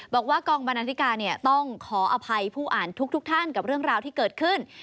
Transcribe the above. บอกว่ากองบรรณาธิการต้องขออภัยผู้อ่านทุกท่านกับเรื่องราวที่เกิดขึ้น